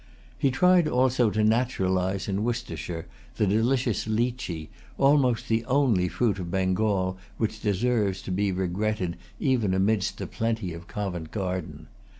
He tried also to naturalize in Worcestershire the delicious leechee, almost the only fruit of Bengal which deserves to be regretted even amidst the plenty of Covent Garden.